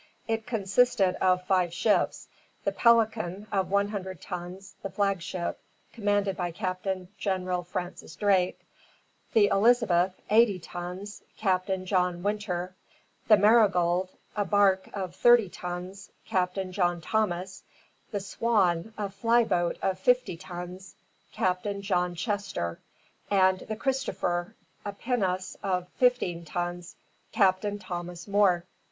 It consisted of five ships: the Pelican, of 100 tons, the flagship, commanded by Captain General Francis Drake; the Elizabeth, 80 tons, Captain John Winter; the Marigold, a barque of 30 tons, Captain John Thomas; the Swan, a flyboat of 50 tons, Captain John Chester; and the Christopher, a pinnace of 15 tons, Captain Thomas Moore.